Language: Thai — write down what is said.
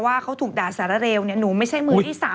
ว่าเขาถูกด่าสารเร็วหนูไม่ใช่มือที่๓